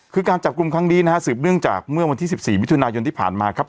คือการจับกลุ่มครั้งนี้นะฮะสืบเนื่องจากเมื่อวันที่๑๔มิถุนายนที่ผ่านมาครับ